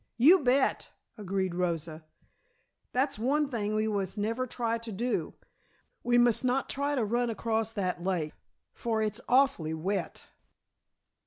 "You bet!" agreed Rosa. "That's one thing we must never try to do; we must not try to run across that lake, for it's awfully wet."